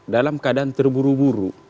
dalam keadaan terburu buru